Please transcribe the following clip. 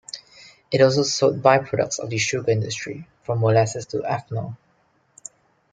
It also sold by-products of the sugar industry, from mollasses to ethanol.